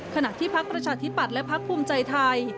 ขณะที่พักประชาธิปัตย์และพักภูมิใจไทย